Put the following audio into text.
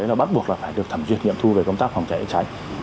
nó bắt buộc phải được thẩm duyệt nghiệm thu về công tác phòng chảy cháy